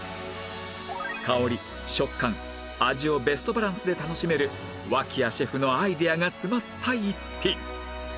香り食感味をベストバランスで楽しめる脇屋シェフのアイデアが詰まった一品